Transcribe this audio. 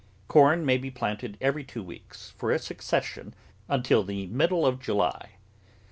Corn may be planted every two weeks, for a succession, until the middle of July.